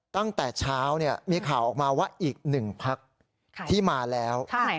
ตั้งแต่เช้ามีข่าวออกมาว่าอีก๑พักที่มาแล้ว